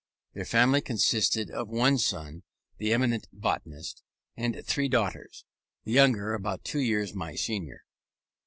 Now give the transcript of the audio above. Their family consisted of one son (the eminent botanist) and three daughters, the youngest about two years my senior.